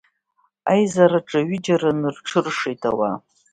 Аизараҿы ҩыџьараны рҽыршеит ауаа.